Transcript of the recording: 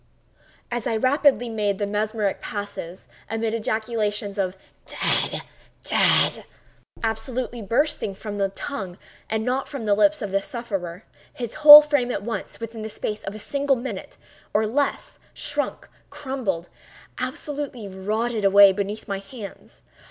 As I rapidly made the mesmeric passes, amid ejaculations of "dead! dead!" absolutely bursting from the tongue and not from the lips of the sufferer, his whole frame at once—within the space of a single minute, or even less, shrunk—crumbled—absolutely rotted away beneath my hands.